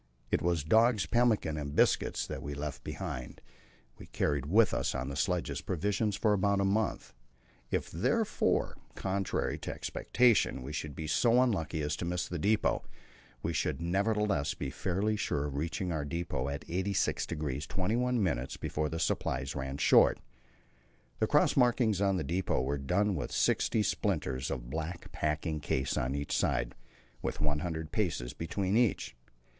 It was dogs' pemmican and biscuits that were left behind; we carried with us on the sledges provisions for about a month. If, therefore, contrary to expectation, we should be so unlucky as to miss this depot, we should nevertheless be fairly sure of reaching our depot in 86° 21' before supplies ran short. The cross marking of the depot was done with sixty splinters of black packing case on each side, with 100 paces between each.